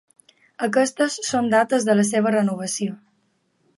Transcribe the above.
Aquestes són dates de la seva renovació.